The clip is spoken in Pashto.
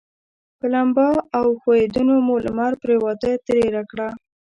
په لمبا او ښویندیو مو لمر پرېواته تېره کړه.